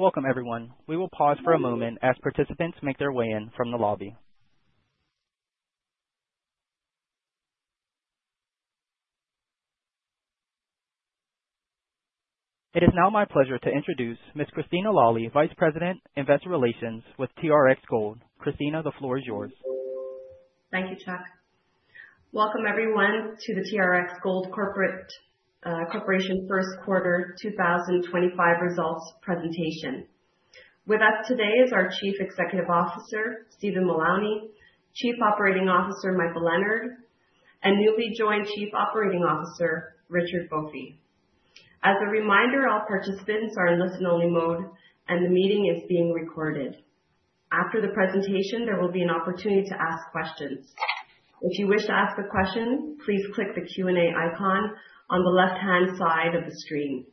Welcome, everyone. We will pause for a moment as participants make their way in from the lobby. It is now my pleasure to introduce Ms. Christina Lalli, Vice President, Investor Relations with TRX Gold. Christina, the floor is yours. Thank you, Chuck. Welcome, everyone, to the TRX Gold Corporation First Quarter 2025 Results Presentation. With us today is our Chief Executive Officer, Stephen Mullowney, Chief Financial Officer, Michael Leonard, and newly joined Chief Operating Officer, Richard Boffey. As a reminder, all participants are in listen-only mode, and the meeting is being recorded. After the presentation, there will be an opportunity to ask questions. If you wish to ask a question, please click the Q&A icon on the left-hand side of the screen.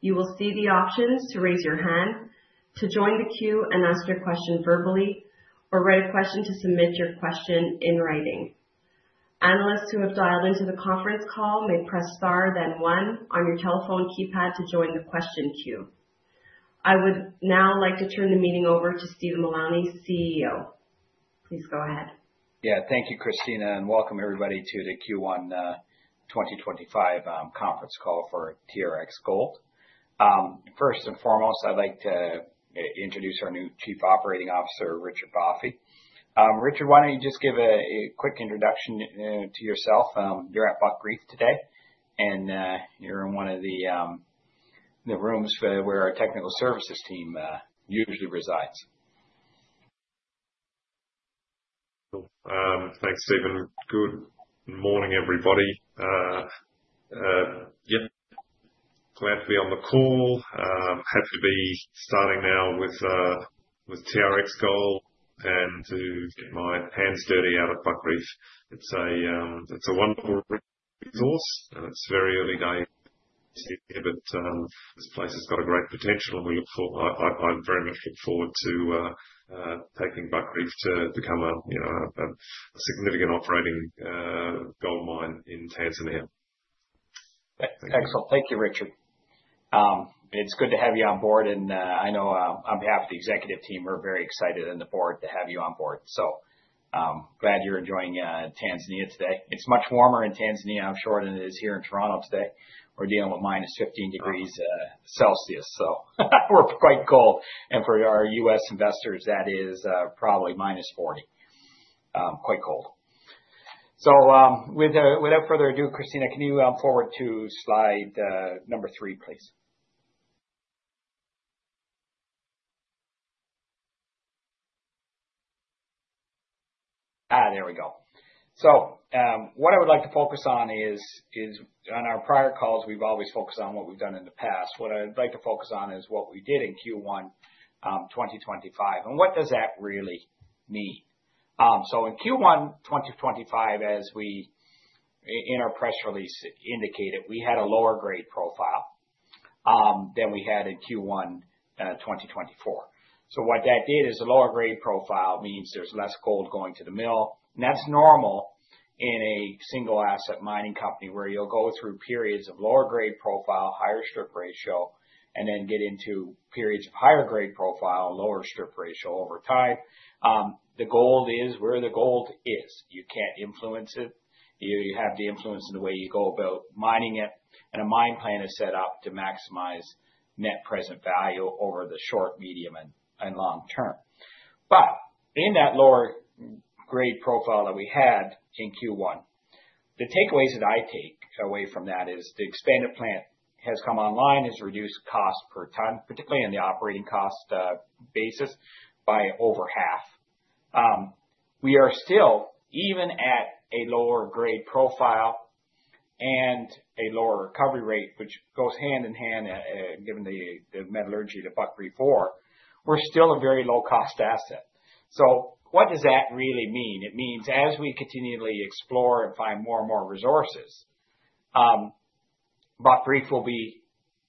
You will see the options to raise your hand, to join the queue and ask your question verbally, or write a question to submit your question in writing. Analysts who have dialed into the conference call may press star, then one, on your telephone keypad to join the question queue. I would now like to turn the meeting over to Stephen Mullowney, CEO. Please go ahead. Yeah, thank you, Christina, and welcome, everybody, to the Q1 2025 conference call for TRX Gold. First and foremost, I'd like to introduce our new Chief Operating Officer, Richard Boffey. Richard, why don't you just give a quick introduction to yourself? You're at Buckreef today, and you're in one of the rooms where our technical services team usually resides. Thanks, Stephen. Good morning, everybody. Yeah, glad to be on the call. Happy to be starting now with TRX Gold and to get my hands dirty out at Buckreef. It's a wonderful resource, and it's very early days, but this place has got a great potential, and we look forward. I very much look forward to taking Buckreef to become a significant operating gold mine in Tanzania. Excellent. Thank you, Richard. It's good to have you on board, and I know on behalf of the executive team, we're very excited on the board to have you on board. So glad you're enjoying Tanzania today. It's much warmer in Tanzania, I'm sure, than it is here in Toronto today. We're dealing with minus 15 degrees Celsius, so we're quite cold, and for our U.S. investors, that is probably -40. Quite cold. So without further ado, Christina, can you forward to slide number three, please? There we go. So what I would like to focus on is, on our prior calls, we've always focused on what we've done in the past. What I'd like to focus on is what we did in Q1 2025, and what does that really mean? So in Q1 2025, as we, in our press release indicated, we had a lower grade profile than we had in Q1 2024. So what that did is a lower grade profile means there's less gold going to the mill, and that's normal in a single-asset mining company where you'll go through periods of lower grade profile, higher strip ratio, and then get into periods of higher grade profile, lower strip ratio over time. The gold is where the gold is. You can't influence it. You have to influence it in the way you go about mining it, and a mine plan is set up to maximize Net Present Value over the short, medium, and long term. But in that lower grade profile that we had in Q1, the takeaways that I take away from that is the expanded plant has come online, has reduced cost per ton, particularly on the operating cost basis, by over half. We are still, even at a lower grade profile and a lower recovery rate, which goes hand in hand given the metallurgy to Buckreef, we're still a very low-cost asset. So what does that really mean? It means as we continually explore and find more and more resources, Buckreef will be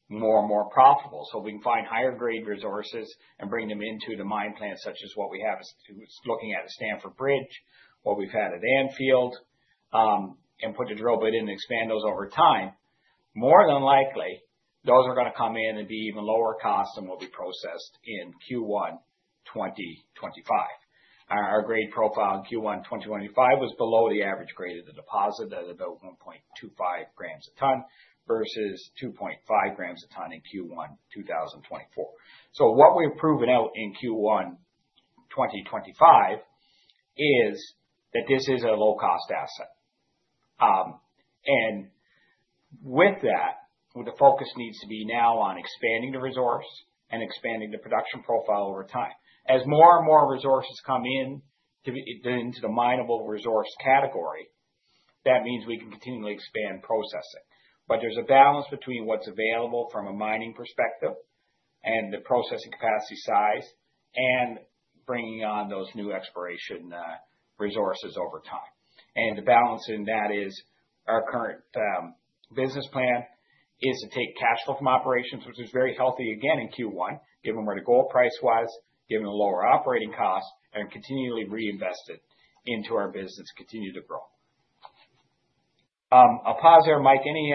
more and more profitable. So we can find higher grade resources and bring them into the mine plant, such as what we have looking at at Stamford Bridge, what we've had at Anfield, and put the drill bit in and expand those over time. More than likely, those are going to come in and be even lower cost than what we processed in Q1 2025. Our grade profile in Q1 2025 was below the average grade of the deposit at about 1.25 g a ton versus 2.5 g a ton in Q1 2024. So what we've proven out in Q1 2025 is that this is a low-cost asset. And with that, the focus needs to be now on expanding the resource and expanding the production profile over time. As more and more resources come into the minable resource category, that means we can continually expand processing. But there's a balance between what's available from a mining perspective and the processing capacity size and bringing on those new exploration resources over time. And the balance in that is our current business plan is to take cash flow from operations, which is very healthy again in Q1, given where the gold price was, given the lower operating costs, and continually reinvest it into our business to continue to grow. I'll pause there, Mike. Any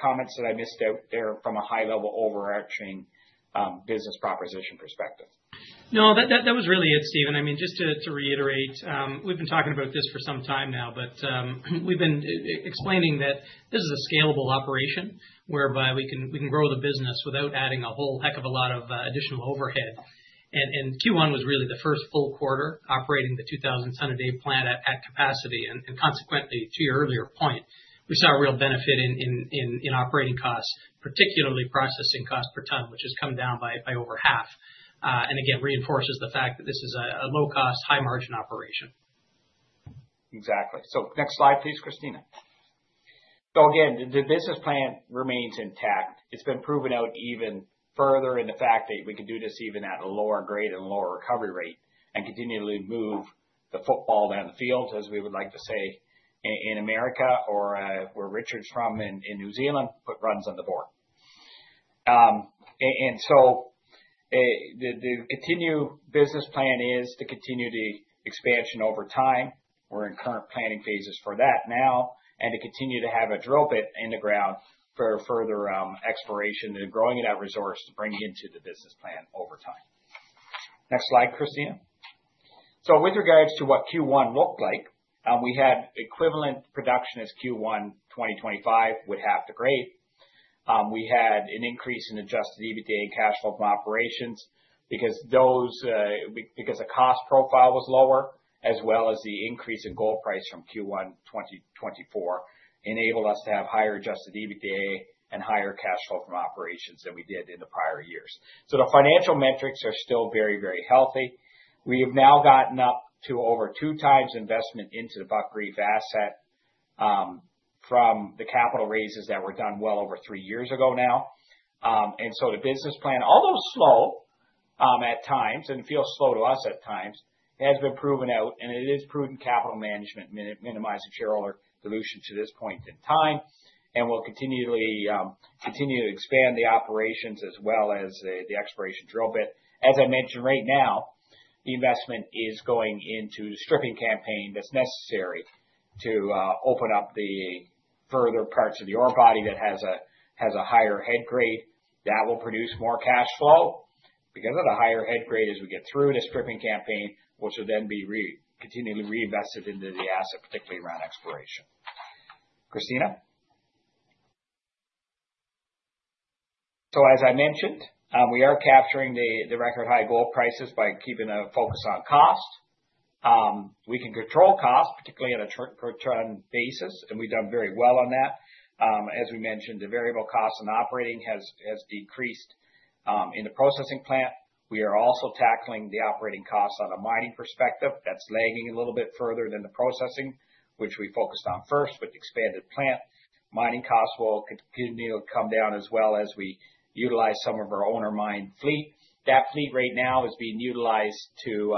comments that I missed out there from a high-level overarching business proposition perspective? No, that was really it, Stephen. I mean, just to reiterate, we've been talking about this for some time now, but we've been explaining that this is a scalable operation whereby we can grow the business without adding a whole heck of a lot of additional overhead. And Q1 was really the first full quarter operating the 2,000-ton-a-day plant at capacity. And consequently, to your earlier point, we saw a real benefit in operating costs, particularly processing costs per ton, which has come down by over half. And again, reinforces the fact that this is a low-cost, high-margin operation. Exactly. So next slide, please, Christina. So again, the business plan remains intact. It's been proven out even further in the fact that we can do this even at a lower grade and lower recovery rate and continually move the football down the field, as we would like to say in America or where Richard's from in New Zealand, put runs on the board. And so the continued business plan is to continue the expansion over time. We're in current planning phases for that now, and to continue to have a drill bit in the ground for further exploration and growing that resource to bring into the business plan over time. Next slide, Christina. So with regards to what Q1 looked like, we had equivalent production as Q1 2025 would have to grade. We had an increase in Adjusted EBITDA and cash flow from operations because the cost profile was lower, as well as the increase in gold price from Q1 2024 enabled us to have higher Adjusted EBITDA and higher cash flow from operations than we did in the prior years. So the financial metrics are still very, very healthy. We have now gotten up to over two times investment into the Buckreef asset from the capital raises that were done well over three years ago now. And so the business plan, although slow at times and feels slow to us at times, has been proven out, and it is prudent capital management, minimizing shareholder dilution to this point in time, and will continually expand the operations as well as the exploration drill bit. As I mentioned, right now, the investment is going into the stripping campaign that's necessary to open up the further parts of the ore body that has a higher head grade that will produce more cash flow because of the higher head grade as we get through the stripping campaign, which will then be continually reinvested into the asset, particularly around exploration. Christina? So as I mentioned, we are capturing the record high gold prices by keeping a focus on cost. We can control cost, particularly on a per-ton basis, and we've done very well on that. As we mentioned, the variable costs in operating has decreased in the processing plant. We are also tackling the operating costs on a mining perspective. That's lagging a little bit further than the processing, which we focused on first with the expanded plant. Mining costs will continue to come down as well as we utilize some of our owner-mined fleet. That fleet right now is being utilized to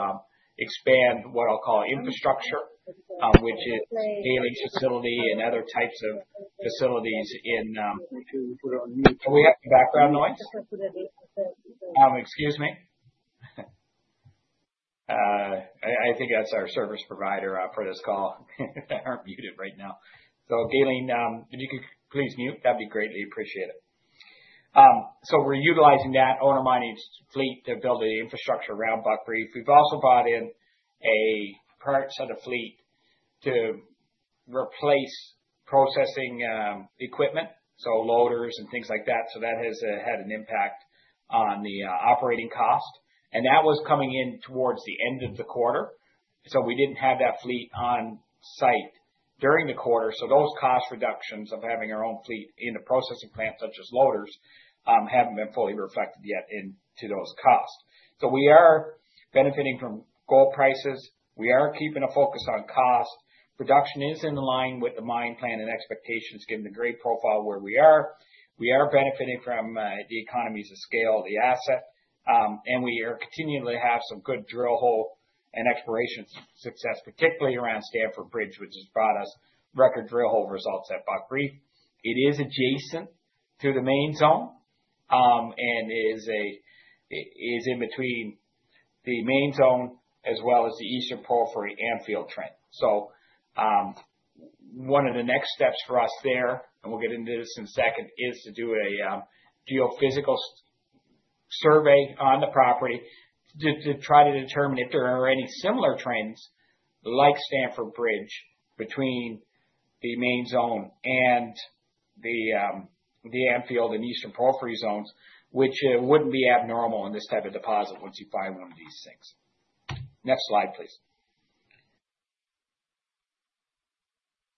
expand what I'll call infrastructure, which is hauling facility and other types of facilities in. Can we have some background noise? Excuse me. I think that's our service provider for this call. They're muted right now. So Galen, if you could please mute, that'd be great. We appreciate it. So we're utilizing that owner-mining fleet to build the infrastructure around Buckreef. We've also brought in a parts of the fleet to replace processing equipment, so loaders and things like that. So that has had an impact on the operating cost. And that was coming in towards the end of the quarter. So we didn't have that fleet on site during the quarter. So those cost reductions of having our own fleet in the processing plant, such as loaders, haven't been fully reflected yet into those costs. So we are benefiting from gold prices. We are keeping a focus on cost. Production is in line with the mine plan and expectations given the grade profile where we are. We are benefiting from the economies of scale of the asset, and we are continuing to have some good drill hole and exploration success, particularly around Stamford Bridge, which has brought us record drill hole results at Buckreef. It is adjacent to the Main Zone and is in between the Main Zone as well as the Eastern Porphyry Anfield trend. So one of the next steps for us there, and we'll get into this in a second, is to do a geophysical survey on the property to try to determine if there are any similar trends like Stamford Bridge between the Main Zone and the Anfield and Eastern Porphyry zones, which wouldn't be abnormal in this type of deposit once you find one of these things. Next slide, please.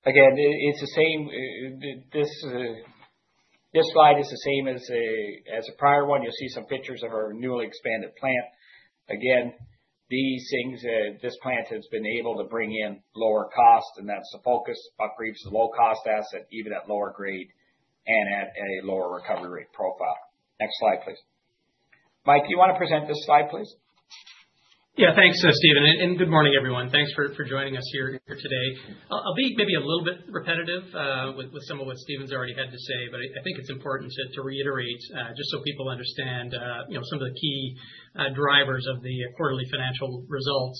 Again, this slide is the same as a prior one. You'll see some pictures of our newly expanded plant. Again, these things, this plant has been able to bring in lower cost, and that's the focus. Buckreef is a low-cost asset, even at lower grade and at a lower recovery rate profile. Next slide, please. Mike, do you want to present this slide, please? Yeah, thanks, Stephen. And good morning, everyone. Thanks for joining us here today. I'll be maybe a little bit repetitive with some of what Stephen's already had to say, but I think it's important to reiterate just so people understand some of the key drivers of the quarterly financial results.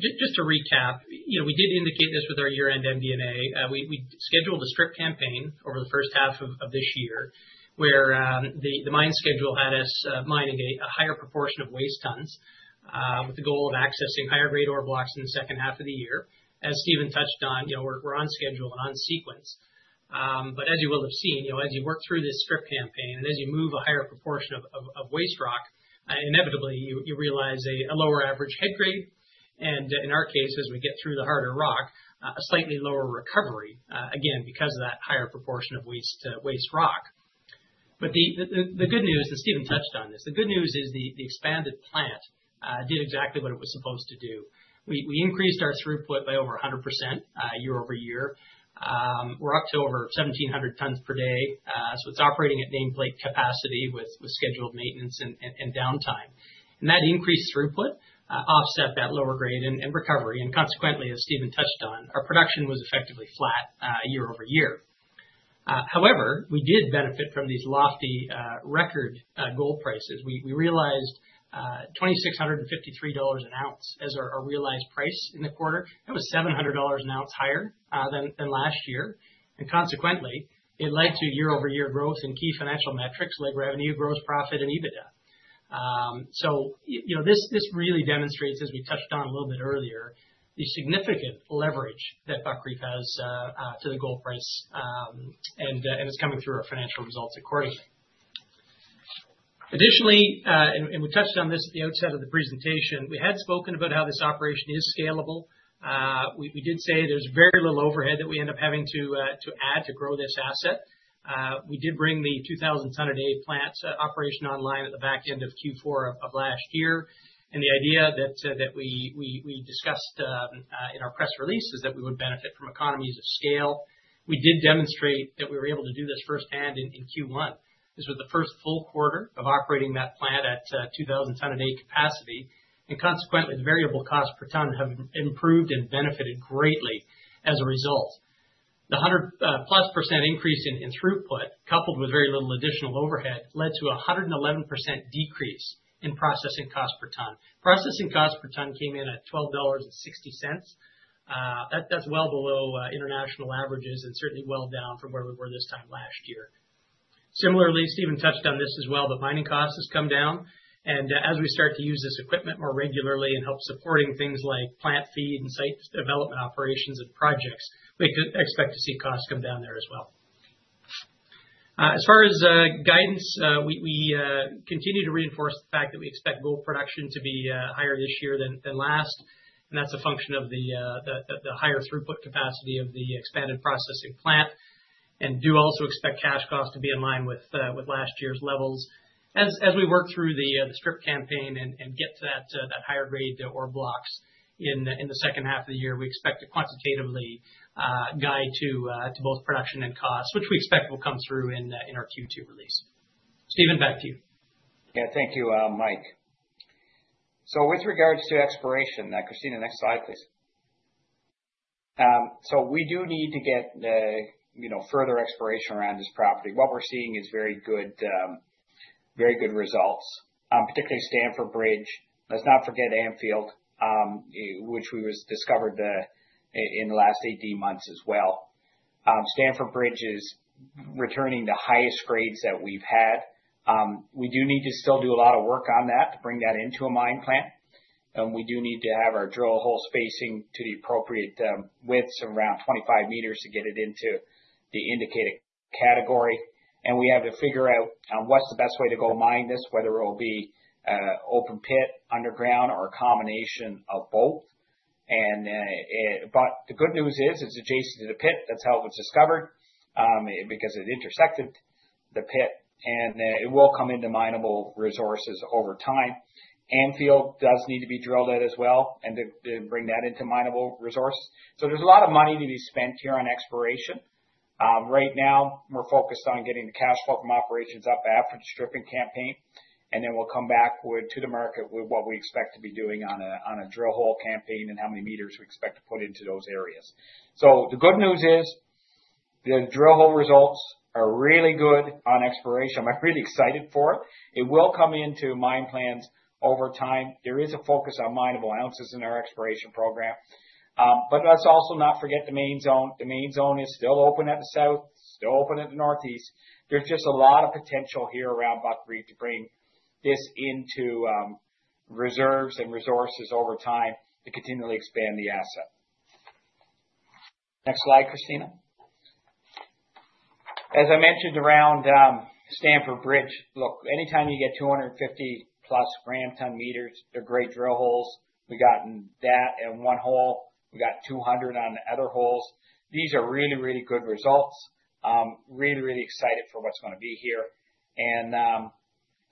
Just to recap, we did indicate this with our year-end MD&A. We scheduled a strip campaign over the first half of this year where the mine schedule had us mining a higher proportion of waste tons with the goal of accessing higher grade ore blocks in the second half of the year. As Stephen touched on, we're on schedule and on sequence. But as you will have seen, as you work through this strip campaign and as you move a higher proportion of waste rock, inevitably, you realize a lower average head grade. And in our case, as we get through the harder rock, a slightly lower recovery, again, because of that higher proportion of waste rock, but the good news, and Stephen touched on this, the good news is the expanded plant did exactly what it was supposed to do. We increased our throughput by over 100% year-over-year. We're up to over 1,700 tons per day, so it's operating at nameplate capacity with scheduled maintenance and downtime, and that increased throughput offset that lower grade and recovery, and consequently, as Stephen touched on, our production was effectively flat year-over-year. However, we did benefit from these lofty record gold prices. We realized $2,653 an ounce as our realized price in the quarter. That was $700 an ounce higher than last year, and consequently, it led to year-over-year growth in key financial metrics like revenue, gross profit, and EBITDA. So this really demonstrates, as we touched on a little bit earlier, the significant leverage that Buckreef has to the gold price, and it's coming through our financial results accordingly. Additionally, and we touched on this at the outset of the presentation, we had spoken about how this operation is scalable. We did say there's very little overhead that we end up having to add to grow this asset. We did bring the 2,000 ton-a-day plant operation online at the back end of Q4 of last year, and the idea that we discussed in our press release is that we would benefit from economies of scale. We did demonstrate that we were able to do this firsthand in Q1. This was the first full quarter of operating that plant at 2,000 ton-a-day capacity, and consequently, the variable cost per ton have improved and benefited greatly as a result. The 100%+ increase in throughput, coupled with very little additional overhead, led to a 111% decrease in processing cost per ton. Processing cost per ton came in at $12.60. That's well below international averages and certainly well down from where we were this time last year. Similarly, Stephen touched on this as well, but mining costs have come down, and as we start to use this equipment more regularly and help supporting things like plant feed and site development operations and projects, we expect to see costs come down there as well. As far as guidance, we continue to reinforce the fact that we expect gold production to be higher this year than last, and that's a function of the higher throughput capacity of the expanded processing plant, and do also expect cash costs to be in line with last year's levels. As we work through the strip campaign and get to that higher grade ore blocks in the second half of the year, we expect to quantitatively guide to both production and costs, which we expect will come through in our Q2 release. Stephen, back to you. Yeah, thank you, Mike. So with regards to exploration, Christina, next slide, please. So we do need to get further exploration around this property. What we're seeing is very good results, particularly Stamford Bridge. Let's not forget Anfield, which we discovered in the last 18 months as well. Stamford Bridge is returning the highest grades that we've had. We do need to still do a lot of work on that to bring that into a mine plan. And we do need to have our drill hole spacing to the appropriate widths of around 25 m to get it into the indicated category. And we have to figure out what's the best way to go mine this, whether it will be open pit, underground, or a combination of both. But the good news is it's adjacent to the pit. That's how it was discovered because it intersected the pit. It will come into minable resources over time. Anfield does need to be drilled at as well and bring that into minable resources. So there's a lot of money to be spent here on exploration. Right now, we're focused on getting the cash flow from operations up after the stripping campaign. And then we'll come back to the market with what we expect to be doing on a drill hole campaign and how many meters we expect to put into those areas. So the good news is the drill hole results are really good on exploration. I'm really excited for it. It will come into mine plans over time. There is a focus on minable ounces in our exploration program. But let's also not forget the Main Zone. The Main Zone is still open at the south, still open at the northeast. There's just a lot of potential here around Buckreef to bring this into reserves and resources over time to continually expand the asset. Next slide, Christina. As I mentioned around Stamford Bridge, look, anytime you get 250+ gram-meters, they're great drill holes. We got that in one hole. We got 200 on the other holes. These are really, really good results. Really, really excited for what's going to be here. And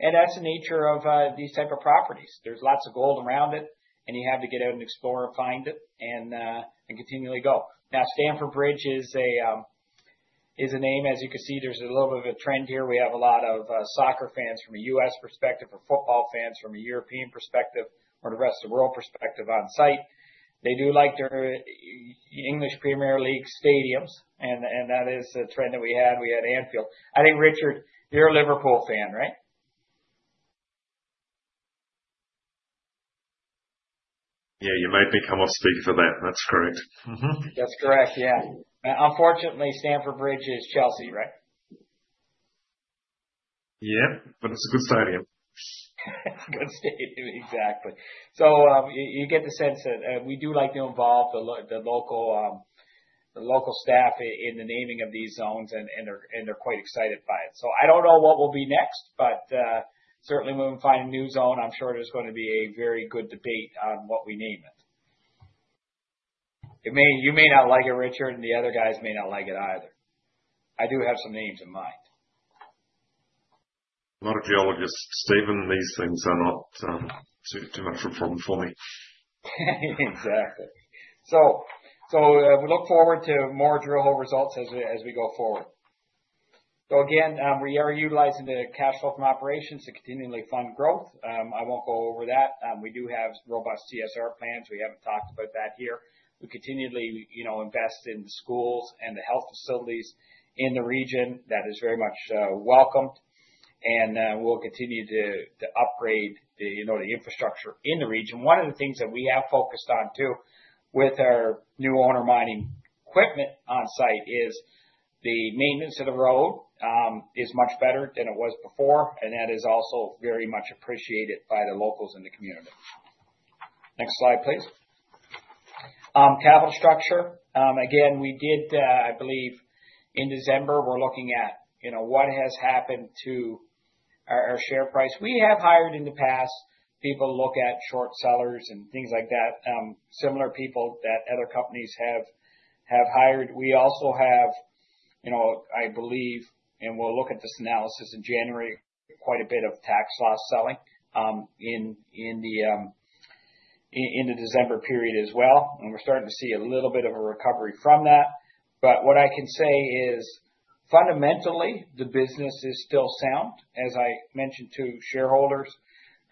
that's the nature of these types of properties. There's lots of gold around it, and you have to get out and explore and find it and continually go. Now, Stamford Bridge is a name. As you can see, there's a little bit of a trend here. We have a lot of soccer fans from a U.S. perspective, from football fans, from a European perspective, or the rest of the world perspective on site. They do like their English Premier League stadiums, and that is the trend that we had. We had Anfield. I think, Richard, you're a Liverpool fan, right? Yeah, you may become our speaker for that. That's correct. That's correct, yeah. Unfortunately, Stamford Bridge is Chelsea, right? Yeah, but it's a good stadium. It's a good stadium, exactly. So you get the sense that we do like to involve the local staff in the naming of these zones, and they're quite excited by it. So I don't know what will be next, but certainly, when we find a new zone, I'm sure there's going to be a very good debate on what we name it. You may not like it, Richard, and the other guys may not like it either. I do have some names in mind. A lot of geologists. Stephen, these things are not too much of a problem for me. Exactly. So we look forward to more drill hole results as we go forward. So again, we are utilizing the cash flow from operations to continually fund growth. I won't go over that. We do have robust CSR plans. We haven't talked about that here. We continually invest in the schools and the health facilities in the region. That is very much welcomed, and we'll continue to upgrade the infrastructure in the region. One of the things that we have focused on too with our new owner-mining equipment on site is the maintenance of the road is much better than it was before, and that is also very much appreciated by the locals in the community. Next slide, please. Capital structure. Again, we did, I believe, in December, we're looking at what has happened to our share price. We have hired in the past people to look at short sellers and things like that, similar people that other companies have hired. We also have, I believe, and we'll look at this analysis in January, quite a bit of tax loss selling in the December period as well, and we're starting to see a little bit of a recovery from that, but what I can say is, fundamentally, the business is still sound, as I mentioned to shareholders.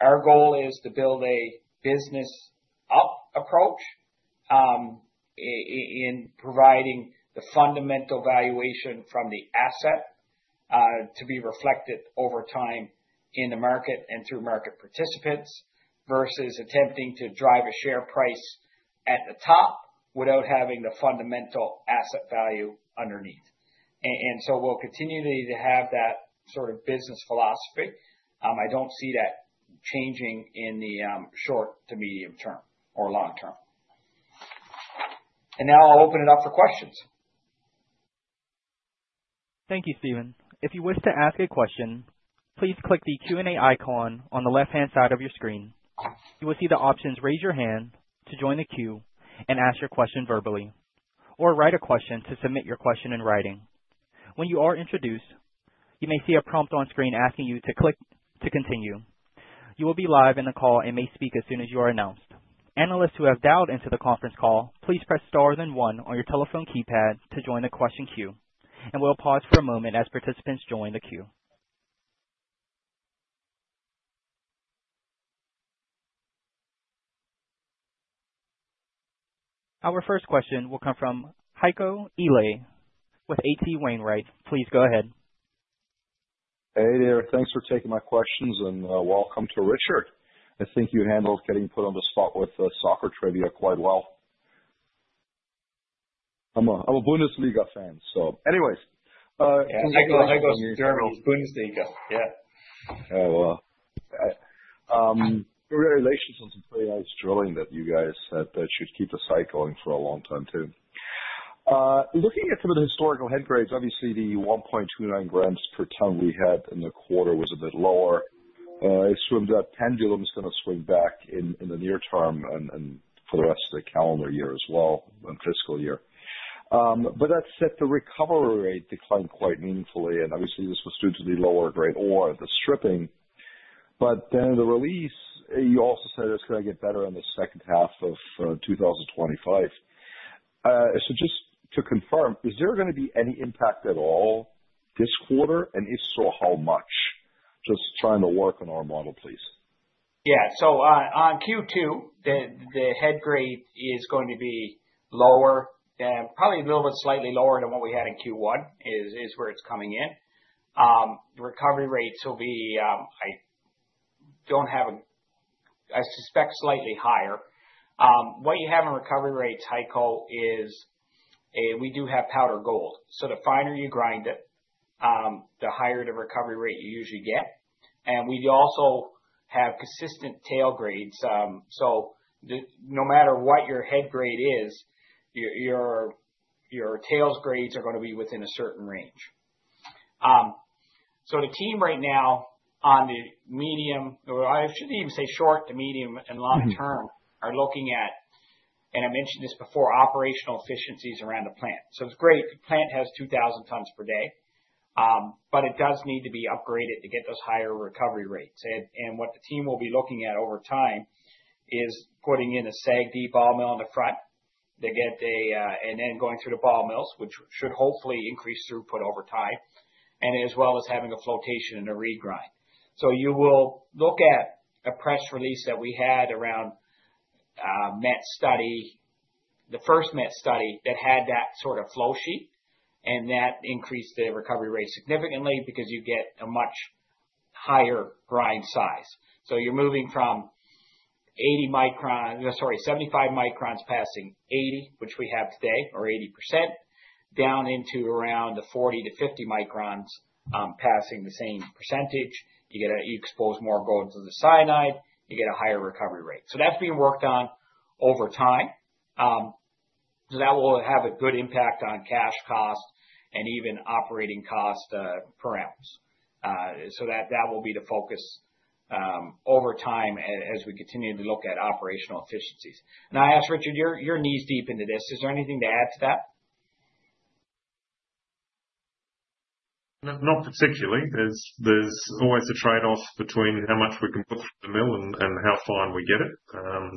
Our goal is to build a bottom-up approach in providing the fundamental valuation from the asset to be reflected over time in the market and through market participants versus attempting to drive a share price at the top without having the fundamental asset value underneath, and so we'll continue to have that sort of business philosophy. I don't see that changing in the short to medium term or long term. Now I'll open it up for questions. Thank you, Stephen. If you wish to ask a question, please click the Q&A icon on the left-hand side of your screen. You will see the options raise your hand to join the queue and ask your question verbally, or write a question to submit your question in writing. When you are introduced, you may see a prompt on screen asking you to click to continue. You will be live in the call and may speak as soon as you are announced. Analysts who have dialed into the conference call, please press star then one on your telephone keypad to join the question queue. And we'll pause for a moment as participants join the queue. Our first question will come from Heiko Ihle with H.C. Wainwright. Please go ahead. Hey there. Thanks for taking my questions and welcome to Richard. I think you handled getting put on the spot with soccer trivia quite well. I'm a Bundesliga fan, so. Anyways. Heiko's German. Bundesliga, yeah. Oh, wow. Your results on some pretty nice drilling that you guys said that should keep the site going for a long time too. Looking at some of the historical head grades, obviously, the 1.29 g per ton we had in the quarter was a bit lower. I assume that pendulum is going to swing back in the near term and for the rest of the calendar year as well and fiscal year. But that said, the recovery rate declined quite meaningfully. And obviously, this was due to the lower grade ore and the stripping. But then the release, you also said it's going to get better in the second half of 2025. So just to confirm, is there going to be any impact at all this quarter? And if so, how much? Just trying to work on our model, please. Yeah. So on Q2, the head grade is going to be lower, probably a little bit slightly lower than what we had in Q1 is where it's coming in. The recovery rates will be, I don't have a, I suspect slightly higher. What you have in recovery rates, Heiko, is we do have powder gold. So the finer you grind it, the higher the recovery rate you usually get. And we also have consistent tail grades. So no matter what your head grade is, your tails grades are going to be within a certain range. So the team right now on the medium, or I shouldn't even say short to medium and long term, are looking at, and I mentioned this before, operational efficiencies around the plant. So it's great. The plant has 2,000 tons per day, but it does need to be upgraded to get those higher recovery rates. And what the team will be looking at over time is putting in a SAG mill on the front and then going through the ball mills, which should hopefully increase throughput over time, and as well as having a flotation and a regrind. So you will look at a press release that we had around Met study, the first Met study that had that sort of flow sheet, and that increased the recovery rate significantly because you get a much higher grind size. So you're moving from 80 microns, sorry, 75 microns passing 80, which we have today, or 80%, down into around the 40-50 microns passing the same percentage. You expose more gold to the cyanide, you get a higher recovery rate. So that's being worked on over time. So that will have a good impact on cash cost and even operating cost per ounce. So that will be the focus over time as we continue to look at operational efficiencies. Now, I asked, Richard, you're knee-deep into this. Is there anything to add to that? Not particularly. There's always a trade-off between how much we can put through the mill and how fine we get it.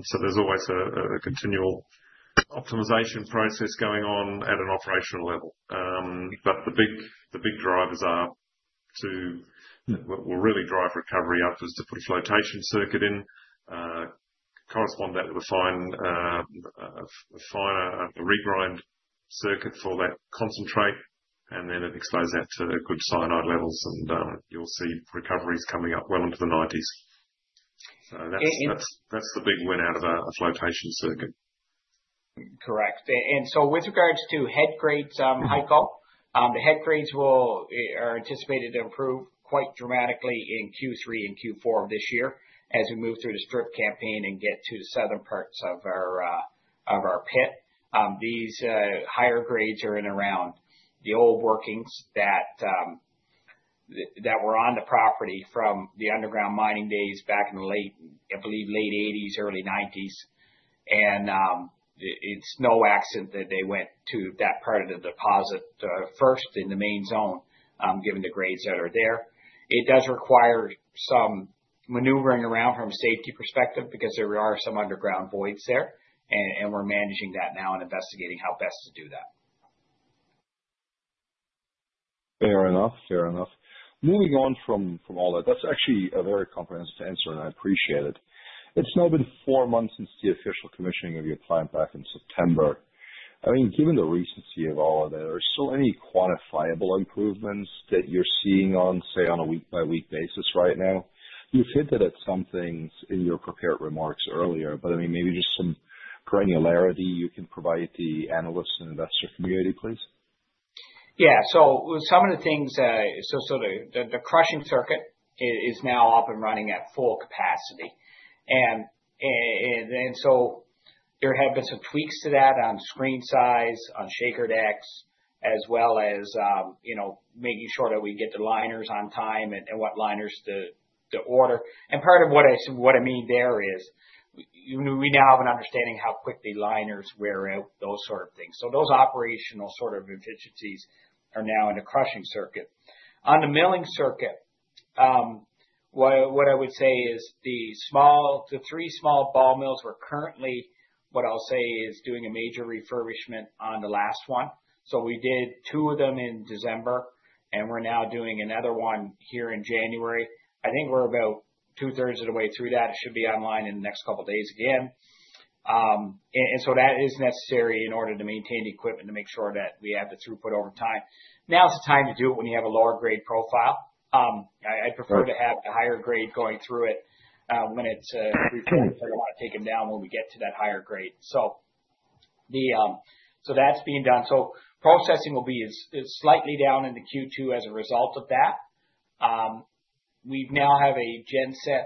So there's always a continual optimization process going on at an operational level. But the big drivers are to what will really drive recovery up is to put a flotation circuit in, correspond that with a finer regrind circuit for that concentrate, and then it expands out to good cyanide levels, and you'll see recoveries coming up well into the 90s. So that's the big win out of a flotation circuit. Correct. And so with regards to head grades, Heiko, the head grades are anticipated to improve quite dramatically in Q3 and Q4 of this year as we move through the stripping campaign and get to the southern parts of our pit. These higher grades are in around the old workings that were on the property from the underground mining days back in the late, I believe, 1980s, early 1990s. And it's no accident that they went to that part of the deposit first in the Main Zone, given the grades that are there. It does require some maneuvering around from a safety perspective because there are some underground voids there, and we're managing that now and investigating how best to do that. Fair enough. Fair enough. Moving on from all that, that's actually a very comprehensive answer, and I appreciate it. It's now been four months since the official commissioning of your plant back in September. I mean, given the recency of all of that, are there still any quantifiable improvements that you're seeing on, say, on a week-by-week basis right now? You've hinted at some things in your prepared remarks earlier, but I mean, maybe just some granularity you can provide the analysts and investor community, please. Yeah. So some of the things, so the crushing circuit is now up and running at full capacity, and so there have been some tweaks to that on screen size, on shaker decks, as well as making sure that we get the liners on time and what liners to order, and part of what I mean there is we now have an understanding how quickly liners wear out, those sort of things, so those operational sort of efficiencies are now in the crushing circuit. On the milling circuit, what I would say is the three small ball mills were currently, what I'll say, is doing a major refurbishment on the last one, so we did two of them in December, and we're now doing another one here in January. I think we're about two-thirds of the way through that. It should be online in the next couple of days again. And so that is necessary in order to maintain the equipment to make sure that we have the throughput over time. Now's the time to do it when you have a lower-grade profile. I'd prefer to have the higher grade going through it when it's refurbished, but I want to take them down when we get to that higher grade. So that's being done. So processing will be slightly down in the Q2 as a result of that. We now have a genset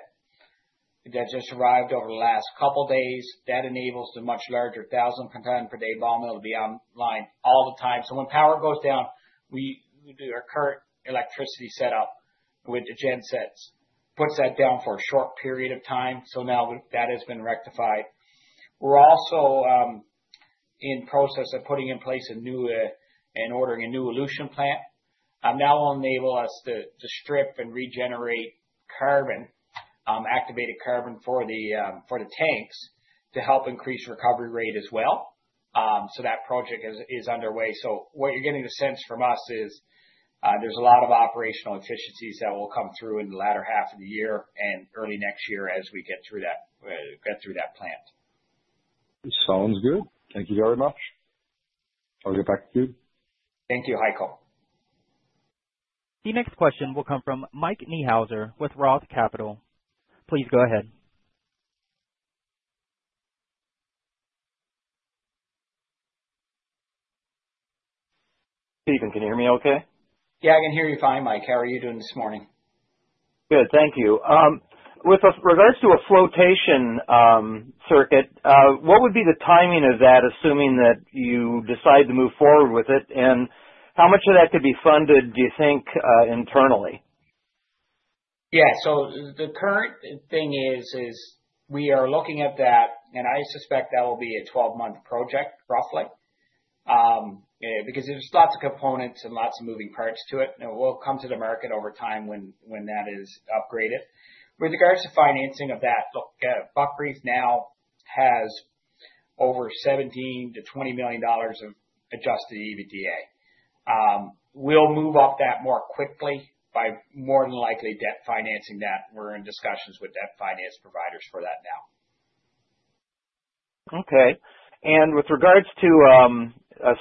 that just arrived over the last couple of days. That enables the much larger 1,000-ton-per-day ball mill to be online all the time. So when power goes down, we do our current electricity setup with the gensets. It puts that down for a short period of time. So now that has been rectified. We're also in process of putting in place a new and ordering a new elution plant. Now it will enable us to strip and regenerate carbon, activated carbon for the tanks to help increase recovery rate as well. So that project is underway. So what you're getting a sense from us is there's a lot of operational efficiencies that will come through in the latter half of the year and early next year as we get through that plant. Sounds good. Thank you very much. I'll get back to you. Thank you, Heiko. The next question will come from Mike Niehuser with Roth Capital. Please go ahead. Stephen, can you hear me okay? Yeah, I can hear you fine, Mike. How are you doing this morning? Good. Thank you. With regards to a flotation circuit, what would be the timing of that, assuming that you decide to move forward with it, and how much of that could be funded, do you think, internally? Yeah. So the current thing is we are looking at that, and I suspect that will be a 12-month project, roughly, because there's lots of components and lots of moving parts to it. And it will come to the market over time when that is upgraded. With regards to financing of that, look, Buckreef now has over $17-$20 million of adjusted EBITDA. We'll move up that more quickly by more than likely debt financing that. We're in discussions with debt finance providers for that now. Okay. With regards to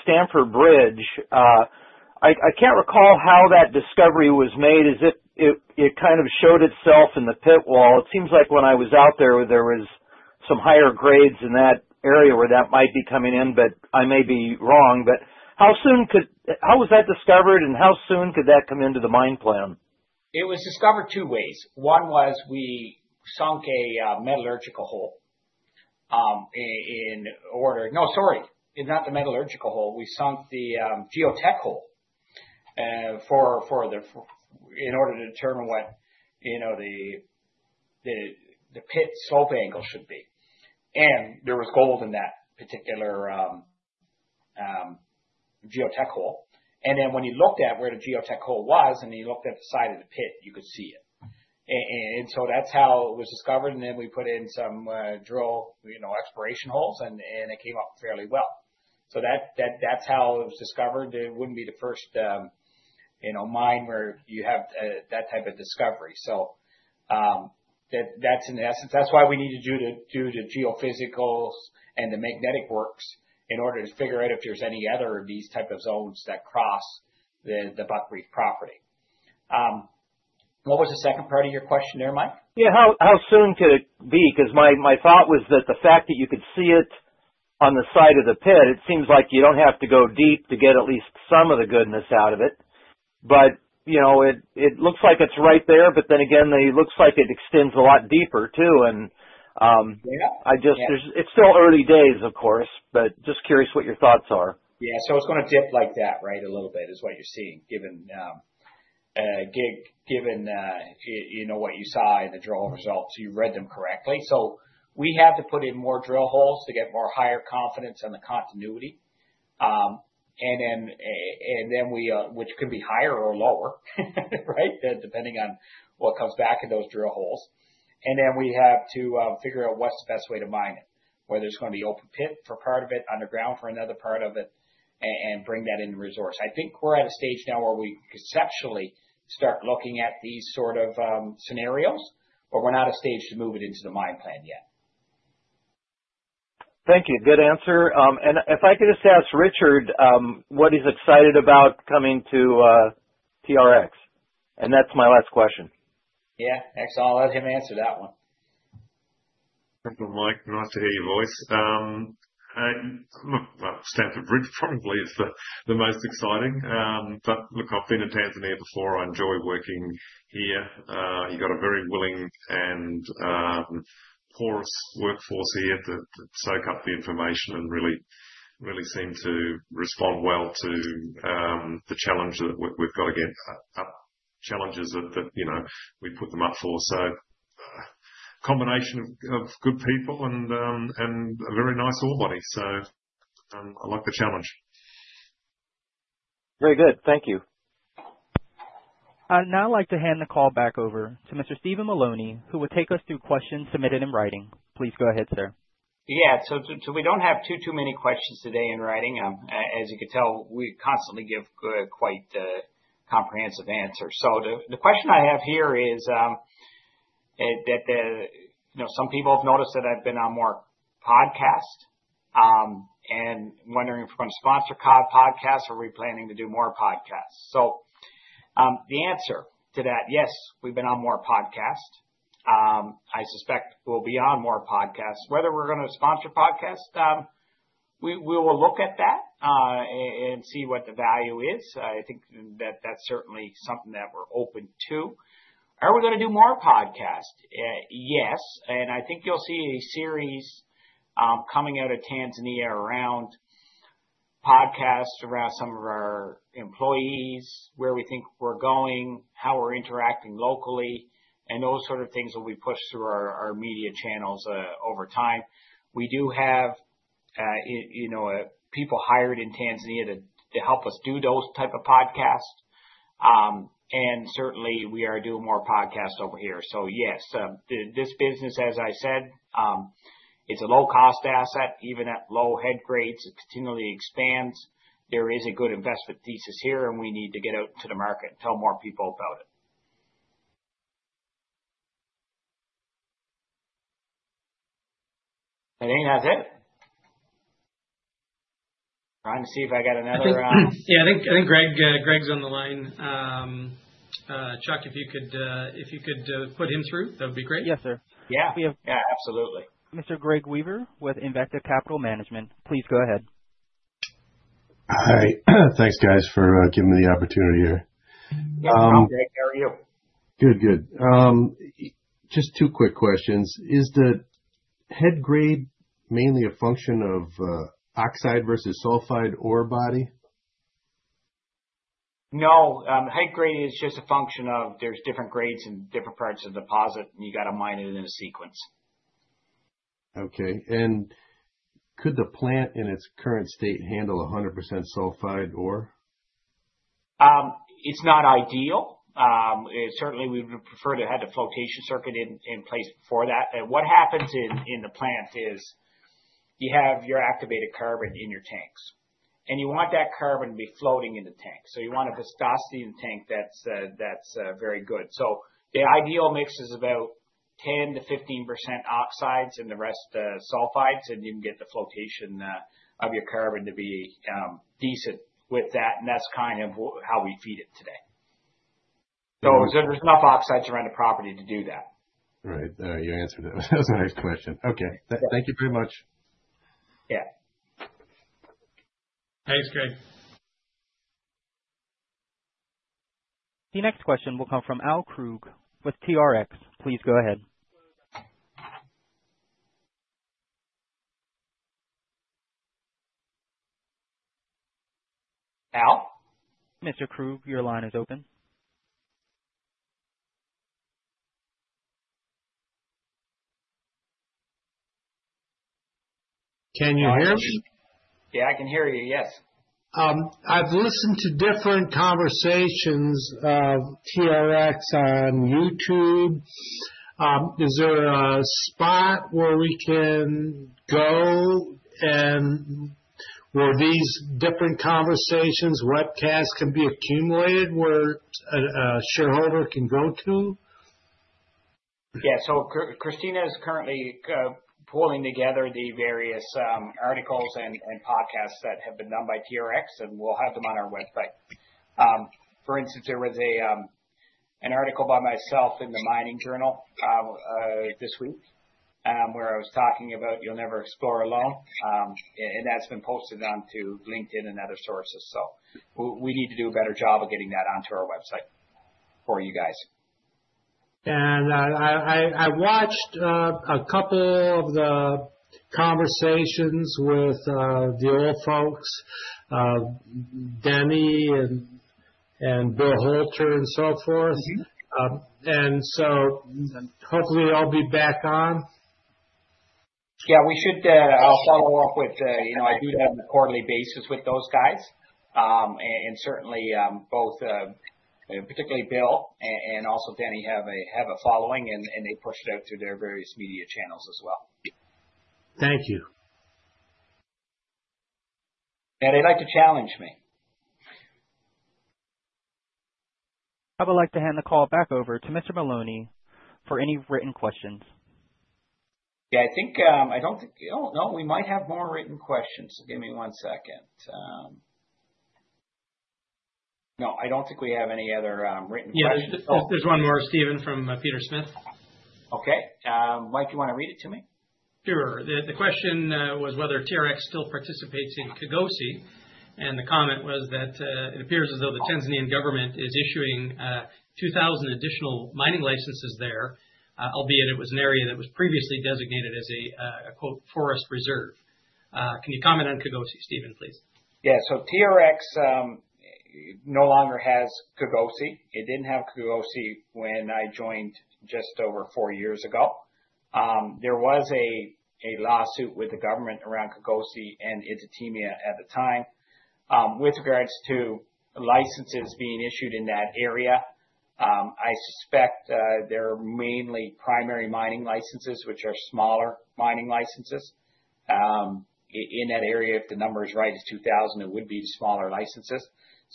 Stamford Bridge, I can't recall how that discovery was made. It kind of showed itself in the pit wall. It seems like when I was out there, there were some higher grades in that area where that might be coming in, but I may be wrong. But how soon was that discovered, and how soon could that come into the mine plan? It was discovered two ways. One was we sunk a metallurgical hole in order no, sorry, not the metallurgical hole. We sunk the geotech hole in order to determine what the pit slope angle should be, and there was gold in that particular geotech hole. Then when you looked at where the geotech hole was and you looked at the side of the pit, you could see it, and so that's how it was discovered. Then we put in some drill exploration holes, and it came up fairly well, so that's how it was discovered. It wouldn't be the first mine where you have that type of discovery, so that's, in essence, that's why we need to do the geophysicals and the magnetic works in order to figure out if there's any other of these type of zones that cross the Buckreef property. What was the second part of your question there, Mike? Yeah. How soon could it be? Because my thought was that the fact that you could see it on the side of the pit, it seems like you don't have to go deep to get at least some of the goodness out of it. But it looks like it's right there, but then again, it looks like it extends a lot deeper too. And it's still early days, of course, but just curious what your thoughts are. Yeah. So it's going to dip like that, right, a little bit, is what you're seeing, given what you saw in the drill results. You read them correctly, so we have to put in more drill holes to get more higher confidence on the continuity. And then we which could be higher or lower, right, depending on what comes back in those drill holes. And then we have to figure out what's the best way to mine it, whether it's going to be open pit for part of it, underground for another part of it, and bring that into resource. I think we're at a stage now where we conceptually start looking at these sort of scenarios, but we're not at a stage to move it into the mine plan yet. Thank you. Good answer. And if I could just ask Richard, what he's excited about coming to TRX? And that's my last question. Yeah. I'll let him answer that one. Thank you, Mike. Nice to hear your voice. Stamford Bridge probably is the most exciting. But look, I've been in Tanzania before. I enjoy working here. You've got a very willing and porous workforce here that soak up the information and really seem to respond well to the challenges that we've got to get up, challenges that we put them up for. So a combination of good people and a very nice ore body. So I like the challenge. Very good. Thank you. Now I'd like to hand the call back over to Mr. Stephen Mullowney, who will take us through questions submitted in writing. Please go ahead, sir. Yeah, so we don't have too, too many questions today in writing. As you can tell, we constantly give quite comprehensive answers, so the question I have here is that some people have noticed that I've been on more podcasts and wondering if we're going to sponsor podcasts or are we planning to do more podcasts. So the answer to that, yes, we've been on more podcasts. I suspect we'll be on more podcasts. Whether we're going to sponsor podcasts, we will look at that and see what the value is. I think that that's certainly something that we're open to. Are we going to do more podcasts? Yes, and I think you'll see a series coming out of Tanzania around podcasts, around some of our employees, where we think we're going, how we're interacting locally, and those sort of things will be pushed through our media channels over time. We do have people hired in Tanzania to help us do those type of podcasts, and certainly, we are doing more podcasts over here, so yes, this business, as I said, it's a low-cost asset. Even at low head grades, it continually expands. There is a good investment thesis here, and we need to get out to the market and tell more people about it. I think that's it. Trying to see if I got another. Yeah. I think Greg's on the line. Chuck, if you could put him through, that would be great. Yes, sir. Yeah. Yeah. Absolutely. Mr. Greg Weaver with Invicta Capital Management. Please go ahead. All right. Thanks, guys, for giving me the opportunity here. Yep. I'm Greg. How are you? Good. Good. Just two quick questions. Is the head grade mainly a function of oxide versus sulfide ore body? No. Head grade is just a function of there's different grades in different parts of the deposit, and you got to mine it in a sequence. Okay. And could the plant in its current state handle 100% sulfide ore? It's not ideal. Certainly, we would prefer to have the flotation circuit in place before that. What happens in the plant is you have your activated carbon in your tanks, and you want that carbon to be floating in the tank. So you want a viscosity in the tank that's very good. So the ideal mix is about 10%-15% oxides and the rest sulfides, and you can get the flotation of your carbon to be decent with that. And that's kind of how we feed it today. So there's enough oxides around the property to do that. Right. You answered it. That was a nice question. Okay. Thank you very much. Yeah. Thanks, Greg. The next question will come from Al Krug with TRX. Please go ahead. Al? Mr. Krug, your line is open. Can you hear me? Yeah. I can hear you. Yes. I've listened to different conversations of TRX on YouTube. Is there a spot where we can go and where these different conversations, webcasts can be accumulated, where a shareholder can go to? Yeah. So Christina is currently pulling together the various articles and podcasts that have been done by TRX, and we'll have them on our website. For instance, there was an article by myself in the Mining Journal this week where I was talking about You'll Never Explore Alone. And that's been posted onto LinkedIn and other sources. So we need to do a better job of getting that onto our website for you guys. I watched a couple of the conversations with the old folks, Denny and Bill Holter and so forth. Hopefully, I'll be back on. Yeah. I'll follow up. I do that on a quarterly basis with those guys. Certainly, both, particularly Bill and also Denny, have a following, and they push it out through their various media channels as well. Thank you. Yeah. They like to challenge me. I would like to hand the call back over to Mr. Mullowney for any written questions. Yeah. I don't think we might have more written questions. Give me one second. No. I don't think we have any other written questions. Yeah. There's one more, Stephen, from Peter Smith. Okay. Mike, you want to read it to me? Sure. The question was whether TRX still participates in Kigosi. And the comment was that it appears as though the Tanzanian government is issuing 2,000 additional mining licenses there, albeit it was an area that was previously designated as a "forest reserve." Can you comment on Kigosi, Stephen, please? Yeah, so TRX no longer has Kigosi. It didn't have Kigosi when I joined just over four years ago. There was a lawsuit with the government around Kigosi and Itetemia at the time. With regards to licenses being issued in that area, I suspect they're mainly primary mining licenses, which are smaller mining licenses. In that area, if the number is right, it's 2,000. It would be smaller licenses.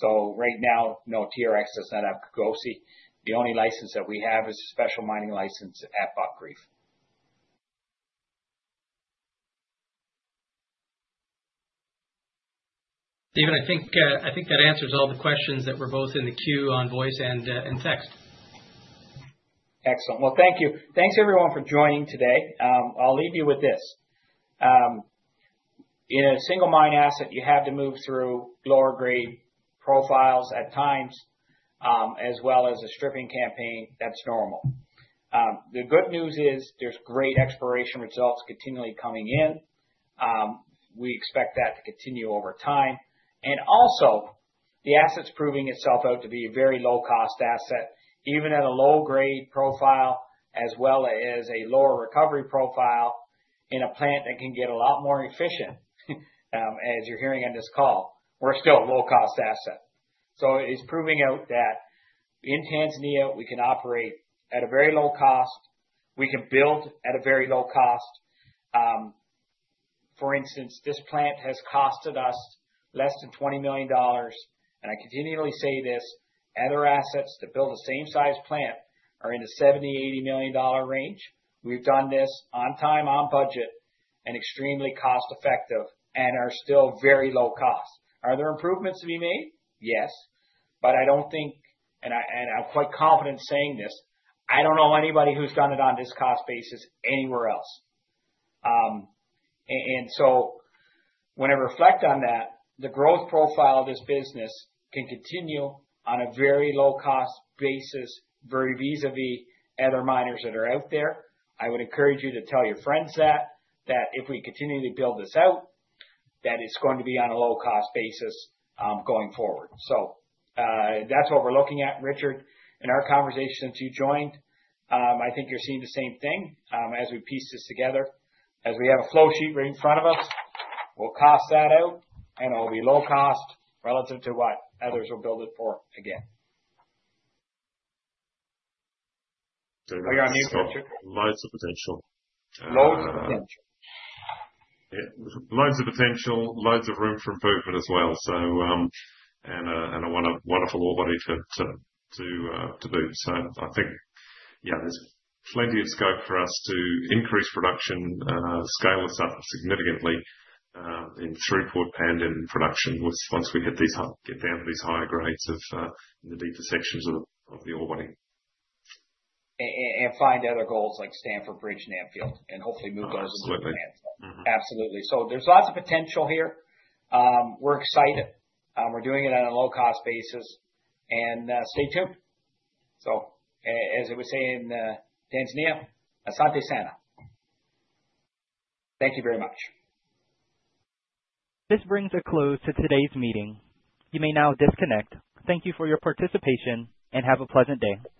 Right now, no, TRX does not have Kigosi. The only license that we have is a special mining license at Buckreef. Stephen, I think that answers all the questions that were both in the queue on voice and text. Excellent. Well, thank you. Thanks, everyone, for joining today. I'll leave you with this. In a single mine asset, you have to move through lower-grade profiles at times, as well as a stripping campaign. That's normal. The good news is there's great exploration results continually coming in. We expect that to continue over time. And also, the asset's proving itself out to be a very low-cost asset, even at a low-grade profile, as well as a lower recovery profile in a plant that can get a lot more efficient, as you're hearing on this call. We're still a low-cost asset. So it's proving out that in Tanzania, we can operate at a very low cost. We can build at a very low cost. For instance, this plant has costed us less than $20 million, and I continually say this. Other assets to build a same-size plant are in the $70-$80 million range. We've done this on time, on budget, and extremely cost-effective, and are still very low cost. Are there improvements to be made? Yes. But I don't think—and I'm quite confident in saying this—I don't know anybody who's done it on this cost basis anywhere else. When I reflect on that, the growth profile of this business can continue on a very low-cost basis, very vis-à-vis other miners that are out there. I would encourage you to tell your friends that, that if we continue to build this out, that it's going to be on a low-cost basis going forward. That's what we're looking at. Richard, in our conversation since you joined, I think you're seeing the same thing as we piece this together. As we have a flow sheet right in front of us, we'll cost that out, and it'll be low-cost relative to what others will build it for again. Lots of potential. Loads of potential. Yeah. Loads of potential. Loads of room for improvement as well, and a wonderful ore body to boot, so I think, yeah, there's plenty of scope for us to increase production, scale this up significantly in throughput and in production once we hit these, get down to these higher grades in the deeper sections of the ore body. Find other zones like Stamford Bridge and Anfield and hopefully move those into the plant. Absolutely. Absolutely. So there's lots of potential here. We're excited. We're doing it on a low-cost basis. And stay tuned. So as I was saying in Tanzania, asante sana. Thank you very much. This brings a close to today's meeting. You may now disconnect. Thank you for your participation and have a pleasant day.